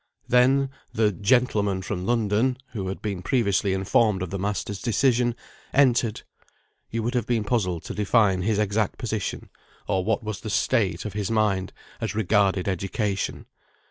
Then the "gentleman from London" (who had been previously informed of the masters' decision) entered. You would have been puzzled to define his exact position, or what was the state of his mind as regarded education.